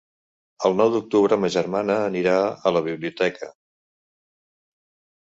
El nou d'octubre ma germana anirà a la biblioteca.